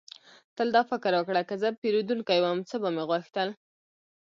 تل دا فکر وکړه: که زه پیرودونکی وم، څه به مې غوښتل؟